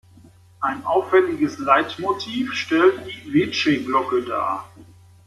Ein auffälliges Leitmotiv stellt die Veče-Glocke dar.